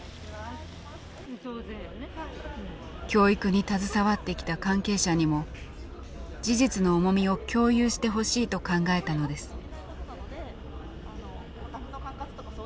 教育に携わってきた関係者にも事実の重みを共有してほしいと考えたのです。